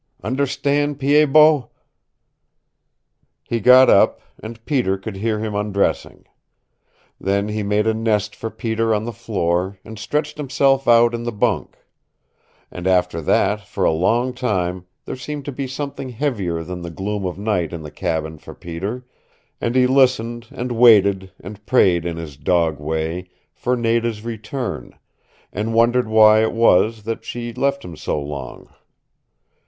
Understand, Pied Bot?" He got up, and Peter could hear him undressing. Then he made a nest for Peter on the floor, and stretched himself out in the bunk; and after that, for a long time, there seemed to be something heavier than the gloom of night in the cabin for Peter, and he listened and waited and prayed in his dog way for Nada's return, and wondered why it was that she left him so long.